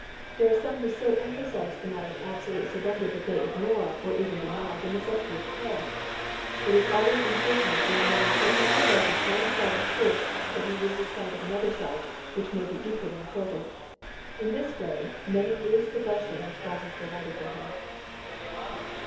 There are some who so emphasize the matter of absolute surrender that they ignore, or even deny, the necessity of prayer. It is always unfortunate when one so emphasizes one side of truth that he loses sight of another side which may be equally important. In this way, many lose the blessing which God has provided for them.